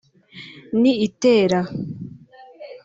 ni itera